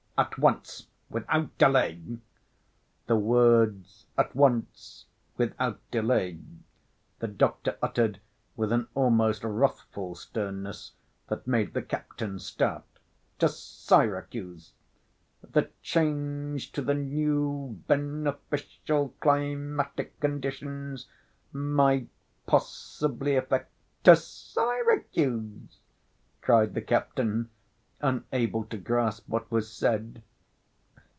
at once, without delay" (the words "at once, without delay," the doctor uttered with an almost wrathful sternness that made the captain start) "to Syracuse, the change to the new be‐ne‐ficial climatic conditions might possibly effect—" "To Syracuse!" cried the captain, unable to grasp what was said.